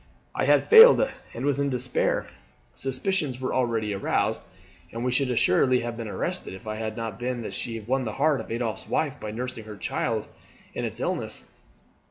I had failed and was in despair. Suspicions were already aroused, and we should assuredly have been arrested if it had not been that she had won the heart of Adolphe's wife by nursing her child in its illness."